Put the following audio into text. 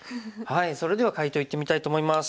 それでは解答いってみたいと思います。